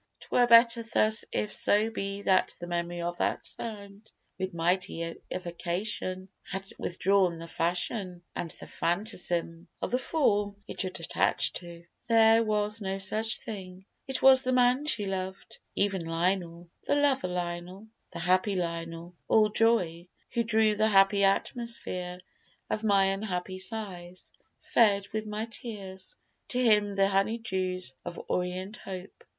'Twere better thus If so be that the memory of that sound With mighty evocation, had updrawn The fashion and the phantasm of the form It should attach to. There was no such thing. It was the man she loved, even Lionel, The lover Lionel, the happy Lionel, All joy; who drew the happy atmosphere Of my unhappy sighs, fed with my tears, To him the honey dews of orient hope.